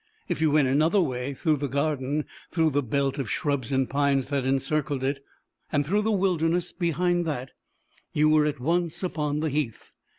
If you went another way, through the garden, through the belt of shrubs and pines that encircled it, and through the wilderness behind that, you were at once upon the heath.